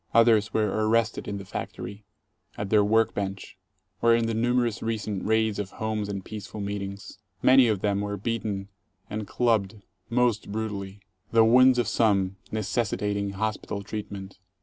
Others were arrested in the factory, at their work bench, or in the numerous recent raids of homes and peaceful meetings. Many of them were beaten and clubbed most brutally, the wounds of some necessitating hospital treatment.